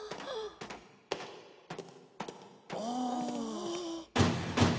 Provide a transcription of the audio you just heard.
ああ。